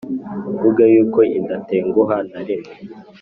mvuge yuko idatenguha na rimwe